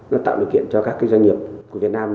nó tạo điều kiện cho các cái doanh nghiệp của việt nam